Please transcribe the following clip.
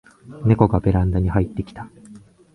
ネコがベランダに入ってきた